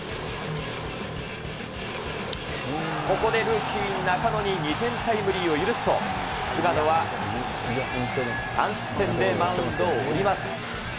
ここでルーキー、なかのに２点タイムリーを許すと、菅野は３失点でマウンドを降ります。